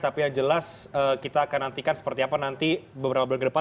tapi yang jelas kita akan nantikan seperti apa nanti beberapa bulan ke depan